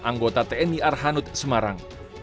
anggota tni arhanud semarang